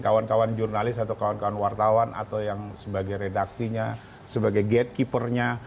kawan kawan jurnalis atau kawan kawan wartawan atau yang sebagai redaksinya sebagai gatekeepernya